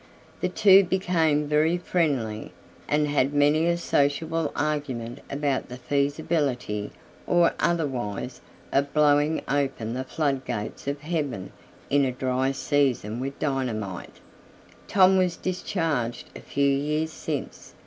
The two became very friendly, and had many a sociable argument about the feasibility or otherwise of blowing open the flood gates of Heaven in a dry season with dynamite. Tom was discharged a few years since.